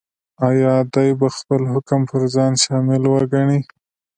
ایا دی به خپل حکم پر ځان شامل وګڼي؟